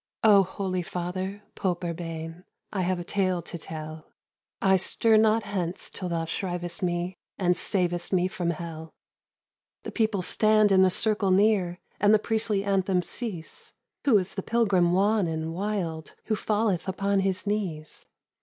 "Oh, holy Father, Pope Urbain, I have a tale to tell; I stir not hence, till thou shrivest me, And savest me from hell." The people stand in a circle near, And the priestly anthems cease; Who is the pilgrim wan and wild, Who falleth upon his knees?